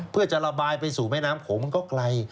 เพื่อจะระบายไปสู่แม่น้ำโขงมันก็ไกล